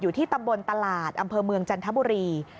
ที่ตำบลตลาดอำเภอเมืองจันทบุรี